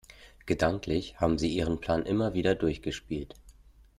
Gedanklich haben sie ihren Plan immer wieder durchgespielt.